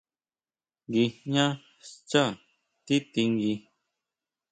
Guijñá xchá tití ngui.